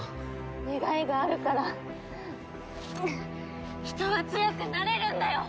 願いがあるから人は強くなれるんだよ！